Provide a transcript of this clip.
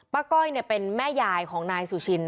ป้าก็อดเป็นแม่ยายของนายสุชินนะคะ